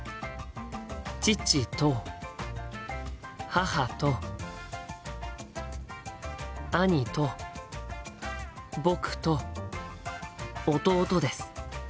父と母と兄と僕と弟です。